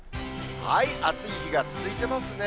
暑い日が続いてますね。